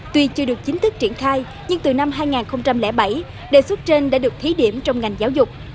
tuy chưa được chính thức triển khai nhưng từ năm hai nghìn bảy đề xuất trên đã được thí điểm trong ngành giáo dục